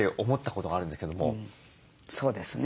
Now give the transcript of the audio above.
そうですね。